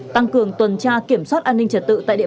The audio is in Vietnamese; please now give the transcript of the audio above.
tăng cường tuần tra kiểm soát an ninh trật tự tại địa phương